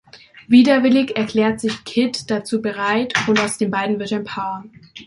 Widerwillig erklärt sich Kit dazu bereit, und aus den beiden wird ein Paar.